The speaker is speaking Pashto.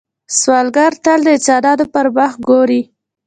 سوالګر تل د انسانانو پر مخ ګوري